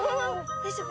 大丈夫？